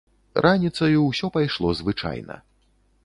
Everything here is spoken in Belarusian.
Раніцаю ўсё пайшло звычайна.